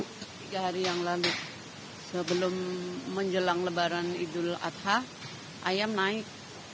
tiga hari yang lalu sebelum menjelang lebaran idul adha ayam naik